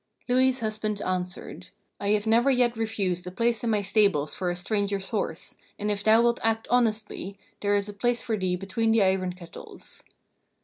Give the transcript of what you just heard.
Louhi's husband answered: 'I have never yet refused a place in my stables for a stranger's horse, and if thou wilt act honestly there is a place for thee between the iron kettles.'